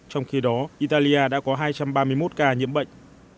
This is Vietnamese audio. trong khi đó italia đã có hai trăm ba mươi một ca nhiễm bệnh